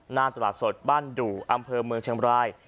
หน้าตลาดสดบ้านดู่อำเภอเมืองเชียงบราย